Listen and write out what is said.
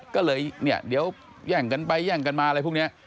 ก็เลยเนี่ยเดี๋ยวแย่งกันไปแย่งกันมาอะไรพวกนี้